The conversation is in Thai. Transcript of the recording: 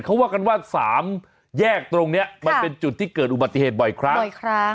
เพราะว่ากันว่า๓แยกตรงนี้มันเป็นจุดที่เกิดอุบัติเหตุบ่อยครั้ง